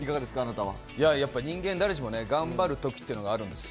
やっぱ人間誰しも頑張る時ってのがあるんです。